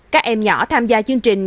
các em nhỏ tham gia chương trình